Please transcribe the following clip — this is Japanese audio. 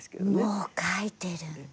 もう書いてるんだ。